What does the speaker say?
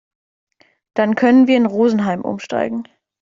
Dann können wir in Rosenheim umsteigen.